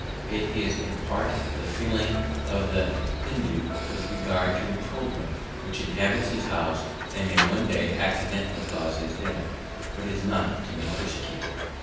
It is in part the feeling of the Hindoo with regard to the cobra which inhabits his house and may one day accidently cause his death, but is not to be persecuted.